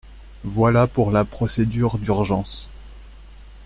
Voilà pour la procédure d’urgence.